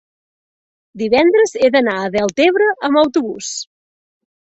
divendres he d'anar a Deltebre amb autobús.